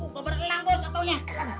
bober elang bos kataunya